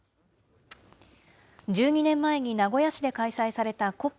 １２年前に名古屋市で開催されたＣＯＰ